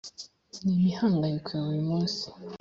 n imihangayiko ya buri munsi